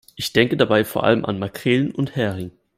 Ich denke dabei vor allem an Makrelen und Hering.